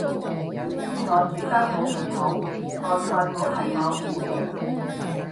唔知我煮得好唔好，個菜譜係我估嘅